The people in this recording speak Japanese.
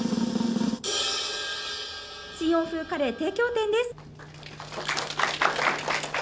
新欧風カレー提供店です。